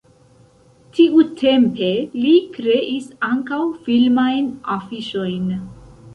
Tiutempe li kreis ankaŭ filmajn afiŝojn.